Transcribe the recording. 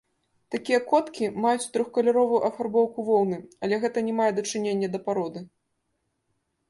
Такія коткі маюць трохкаляровую афарбоўку воўны, але гэта не мае дачынення да пароды.